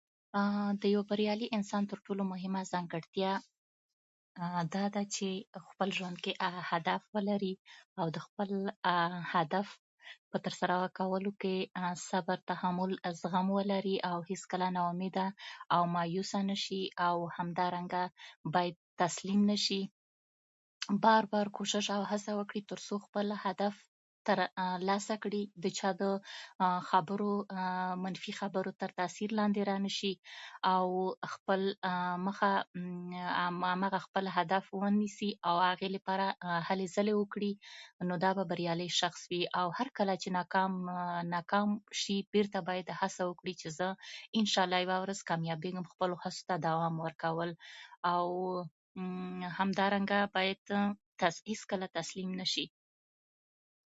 ديو بريالي انسان تر ټولو مهمه ځانګړتيا داده چی خپل ژوند کي هغه هدف ولري او دخپل هدف په ترسره کولو کي صبر تحمل زغم ولري او هيڅکله نااميده او مايوسه نشی او همدارنګه بايد تسليم نه شی بار بار کوښښ او هڅه وکړي تر څو خپل هدف تر لاسه کړي دچا دمنفی خبرو تر تاثير لاندي رانشی او خپل مخه او خپل هدف ونيسي او هغي لپاره هلی ځلی وکړي نو دا به بريالي شخص وي او هر کله چي ناکام شي بيرته بايد هڅه وکړي چي زه انشالله بيرته يوه ورځ خپلو هڅو ته دوام ورکوم او همدارنګه هيڅکله تسليم نشی